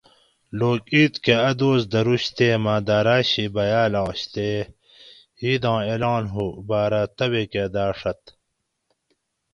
لوک عید کے اۤ دوس درُوش تے مہۤ داۤراۤ شی بیاۤل آش تے عیداں اعلان ہُو باۤرہ توبیکہ داۤڛت